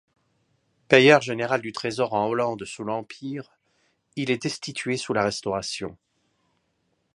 Payeur général du Trésor en Hollande sous l'Empire, il est destitué sous la Restauration.